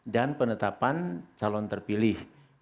dan penetapan calon terpilih